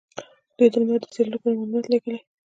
دوی د لمر د څیړلو لپاره ماموریت لیږلی.